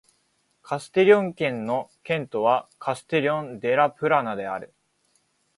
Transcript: カステリョン県の県都はカステリョン・デ・ラ・プラナである